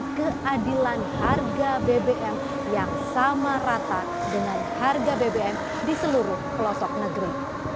masyarakat daerah tiga t ini akan mendapatkan keadilan harga bbm yang sama rata dengan harga bbm di seluruh pelosok negeri